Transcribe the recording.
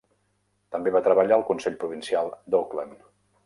També va treballar al Consell Provincial d'Auckland.